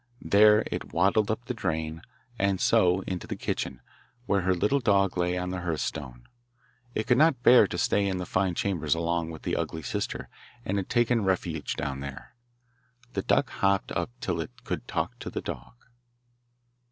There it waddled up the drain, and so into the kitchen, where her little dog lay on the hearth stone; it could not bear to stay in the fine chambers along with the ugly sister, and had taken refuge down here. The duck hopped up till it could talk to the dog.